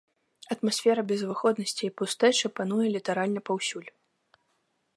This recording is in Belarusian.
Атмасфера безвыходнасці і пустэчы пануе літаральна паўсюль.